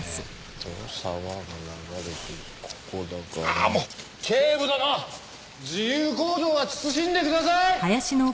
ああもう警部殿自由行動は慎んでください！